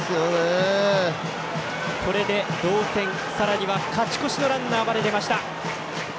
これで同点、さらには勝ち越しのランナーまで出ました。